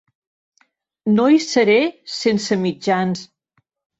No hi seré sense mitjans.